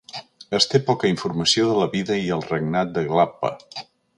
Es té poca informació de la vida i el regnat de Glappa.